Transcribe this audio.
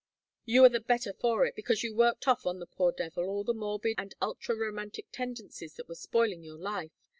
You are the better for it, because you worked off on the poor devil all the morbid and ultra romantic tendencies that were spoiling your life.